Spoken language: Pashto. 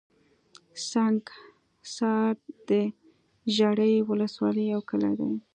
سنګحصار دژړۍ ولسوالۍ يٶ کلى دئ